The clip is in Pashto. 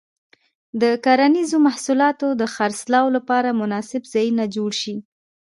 د کرنیزو محصولاتو د خرڅلاو لپاره مناسب ځایونه جوړ شي.